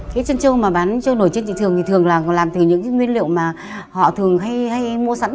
cái chân châu mà bán châu nổi trên thị thường thì thường là làm từ những nguyên liệu mà họ thường hay mua sẵn